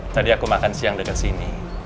tadi aku makan siang dekat sini